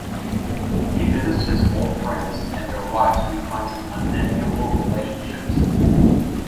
He visits his old friends and their wives who he finds in unenviable relationships.